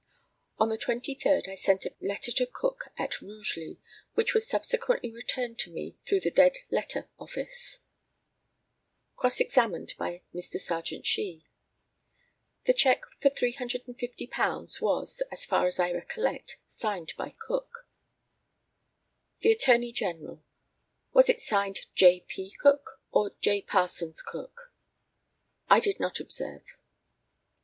On the 23rd I sent a letter to Cook at Rugeley, which was subsequently returned to me through the dead letter office. Cross examined by Mr. Serjeant SHEE: The cheque for £350 was, as far as I recollect, signed by Cook. The ATTORNEY GENERAL: Was it signed J. P. Cook, or J. Parsons Cook? I did not observe.